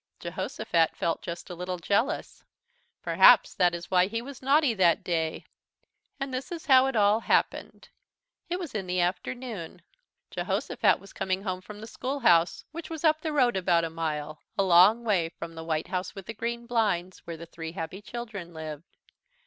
Jehosophat felt just a little jealous. Perhaps that is why he was naughty that day. And this is how it all happened: It was in the afternoon. Jehosophat was coming home from the schoolhouse, which was up the road about a mile, a long way from the White House with the Green Blinds where the three happy children lived.